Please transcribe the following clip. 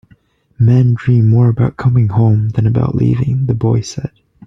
"Men dream more about coming home than about leaving," the boy said.